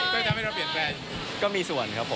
ไม่ขนาดนั้นรับ